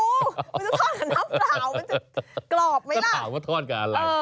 มันจะทอดกับน้ำเปล่ามันจะกรอบไหมล่ะ